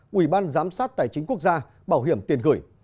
quỹ ban giám sát tài chính quốc gia bảo hiểm tiền gửi